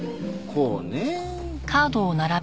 こうね。